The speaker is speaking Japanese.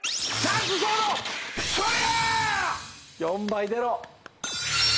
４倍出ろ！